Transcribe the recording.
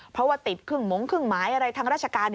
เพราะว่าติดครึ่งหมงครึ่งหมายอะไรทางราชการ